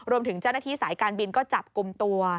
รวมถึงเจ้าหน้าที่สายการบินก็จับกลุ่มตัว